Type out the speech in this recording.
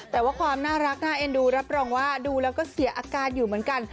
แต่ว่าความน่ารักน่าเอ็นดูรับรองว่าดูแล้วก็เสียอาการอยู่เหมือนกัน